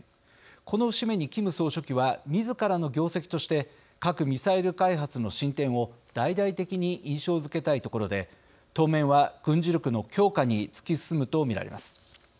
この節目にキム総書記はみずからの業績として核・ミサイル開発の進展を大々的に印象づけたいところで当面は軍事力の強化に突き進むと見られます。